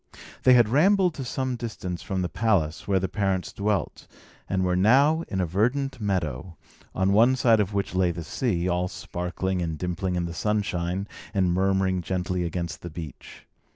They had rambled to some distance from the palace where their parents dwelt, and were now in a verdant meadow, on one side of which lay the sea, all sparkling and dimpling in the sunshine, and murmuring gently against the beach.